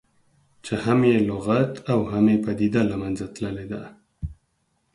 چې هم یې لغت او هم یې پدیده له منځه تللې ده.